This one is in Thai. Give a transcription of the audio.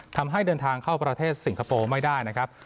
ทำให้เดินทางเข้าประเทศสิงคโปร์ไม่ได้นะครับ